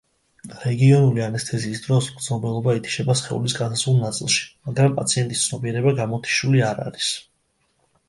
რეგიონული ანესთეზიის დროს მგრძნობელობა ითიშება სხეულის განსაზღვრულ ნაწილში, მაგრამ პაციენტის ცნობიერება გამოთიშული არ არის.